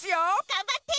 がんばって！